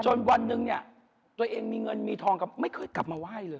วันหนึ่งเนี่ยตัวเองมีเงินมีทองกับไม่เคยกลับมาไหว้เลย